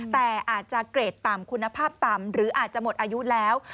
แต่อาจจะเกรดต่ำคุณภาพต่ำหรืออาจจะหมดอายุแล้ว